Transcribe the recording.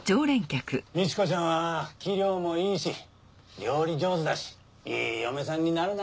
みち子ちゃんは器量もいいし料理上手だしいい嫁さんになるな。